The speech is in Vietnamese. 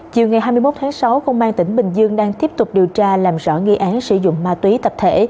chiều ngày hai mươi một tháng sáu công an tỉnh bình dương đang tiếp tục điều tra làm rõ nghi án sử dụng ma túy tập thể